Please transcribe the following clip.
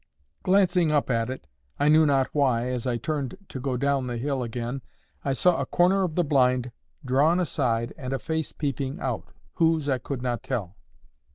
Glancing up at it, I knew not why, as I turned to go down the hill again, I saw a corner of the blind drawn aside and a face peeping out—whose, I could not tell.